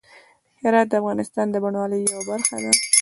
هرات د افغانستان د بڼوالۍ یوه برخه ده.